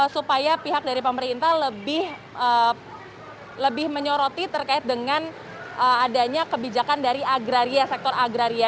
supaya pihak dari pemerintah lebih menyoroti terkait dengan adanya kebijakan dari agraria sektor agraria